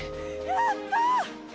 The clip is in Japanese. やったー！